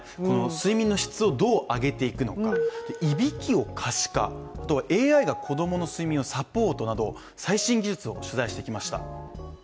睡眠の質をどう上げていくのか、いびきを可視化、ＡＩが子供の睡眠をサポートなど最新技術を取材してきました。